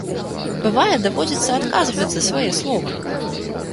Бывае, даводзіцца адказваць за свае словы.